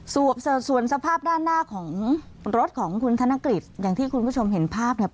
ส่วนสภาพด้านหน้าของรถของคุณธนกฤษอย่างที่คุณผู้ชมเห็นภาพเนี่ย